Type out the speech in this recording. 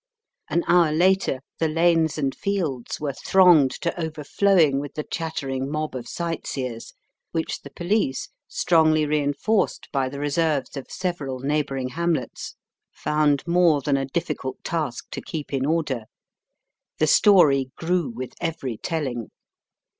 An hour later, the lanes and fields were thronged to overflowing with the chattering mob of sightseers, which the police, strongly reinforced by the reserves of several neighbouring hamlets, found more than a difficult task to keep in order. The story grew with every telling.